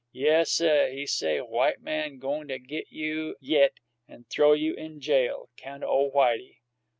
Yessuh; he say white man goin' to git you yit an' th'ow you in jail 'count o' Whitey.